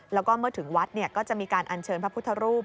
แล้วก็เมื่อถึงวัดก็จะมีการอัญเชิญพระพุทธรูป